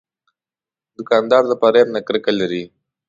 دوکاندار د فریب نه کرکه لري.